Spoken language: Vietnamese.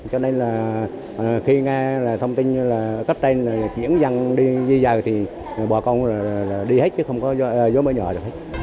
cho nên là khi nga là thông tin cách đây là chuyển dân đi dây dài thì bà con đi hết chứ không có dối mở nhòa được hết